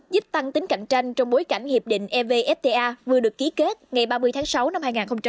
giúp tăng tính cạnh tranh trong bối cảnh hiệp định evfta vừa được ký kết ngày ba mươi tháng sáu năm hai nghìn một mươi chín